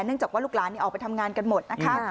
จากว่าลูกหลานออกไปทำงานกันหมดนะคะ